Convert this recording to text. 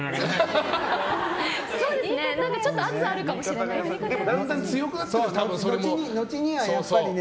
ちょっと圧があるかもしれないですね。